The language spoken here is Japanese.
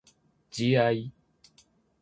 自愛